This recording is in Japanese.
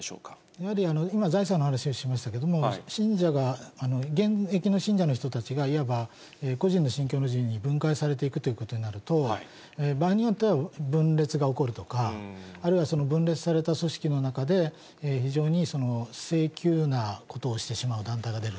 やはり今、財産の話をしましたけども、信者が、現役の信者の人たちが、いわば個人の信教の自由に分解されていくということになると、場合によっては、分裂が起こるとか、あるいは分裂された組織の中で、非常に性急なことをしてしまう団体が出る。